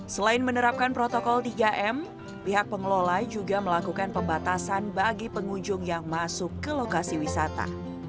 selain menerapkan protokol tiga m pihak pengelola juga melakukan pembatasan bagi pengunjung yang masuk ke lokasi wisata